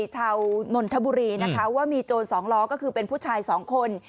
ชาวนนทบุรีว่ามีโจรสองล้อก็คือเป็นผู้ชายสองคน